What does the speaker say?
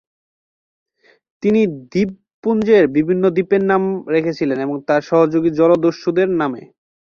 তিনি দ্বীপপুঞ্জের বিভিন্ন দ্বীপের নাম রেখেছিলেন তার সহযোগী জলদস্যুদের নামে।